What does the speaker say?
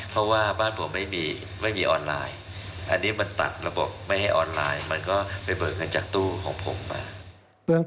เพราะว่าบ้านผมไม่มีออนไลน์